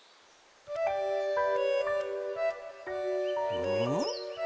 うん？